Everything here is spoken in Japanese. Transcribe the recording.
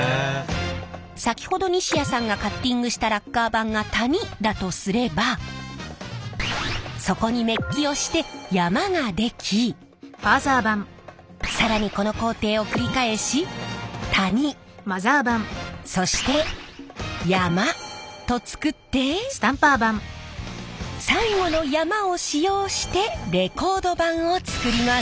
先ほど西谷さんがカッティングしたラッカー盤が谷だとすればそこにメッキをして山が出来更にこの工程を繰り返し谷そして山と作って最後の山を使用してレコード盤を作ります。